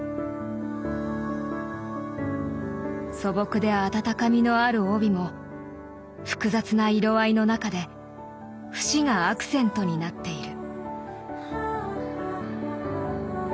素朴で温かみのある帯も複雑な色合いの中で節がアクセントになっている。